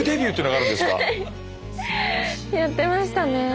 はいやってましたね。